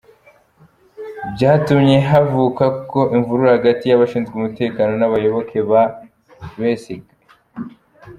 Byatumye havuka ko imvururu hagati y’abashinzwe umutekano n’abayoboke ba Besigye.